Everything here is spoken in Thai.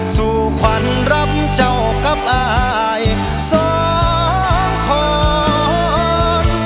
สู่ขวัญรำเจ้ากับอายสองคน